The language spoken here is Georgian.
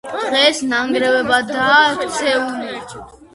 დღეს ნანგრევებადაა ქცეული.